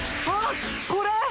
ああこれ！